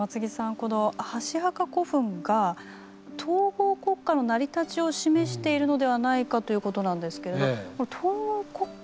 この箸墓古墳が統合国家の成り立ちを示しているのではないかということなんですけれどこの「統合国家」